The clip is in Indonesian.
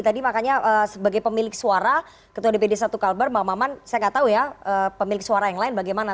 tadi makanya sebagai pemilik suara ketua dpd satu kalbar maman saya nggak tahu ya pemilik suara yang lain bagaimana